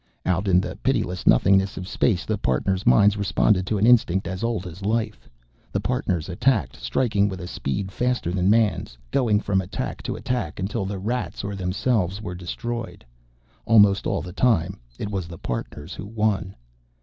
Out in the pitiless nothingness of space, the Partners' minds responded to an instinct as old as life. The Partners attacked, striking with a speed faster than Man's, going from attack to attack until the Rats or themselves were destroyed. Almost all the time, it was the Partners who won.